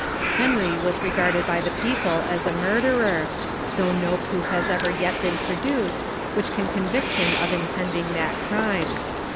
Henry was regarded by the people as a murderer, though no proof has ever yet been produced which can con vict him of intending that crime.